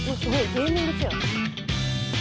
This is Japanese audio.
ゲーミングチェア。